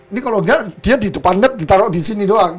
ini kalau nggak dia di depan net ditaruh disini doang